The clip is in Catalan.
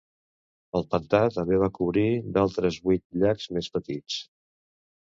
El pantà també va cobrir d'altres vuit llacs més petits.